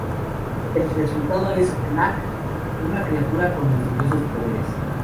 El resultado es Knack, una criatura con misteriosos poderes.